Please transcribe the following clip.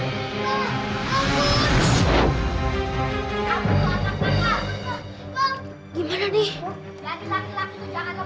jadi laki laki tuh jangan lempar